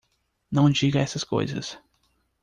Não diga essas coisas!